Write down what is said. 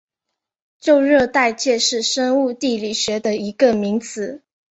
旧热带界是生物地理学的一个名词。